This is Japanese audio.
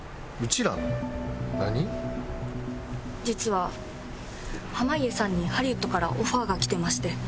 実は濱家さんにハリウッドからオファーが来てまして。